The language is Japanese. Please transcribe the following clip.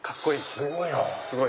すごいなぁ。